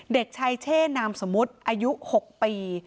เด็กชายเช่นามสมมุติอายุ๖ปี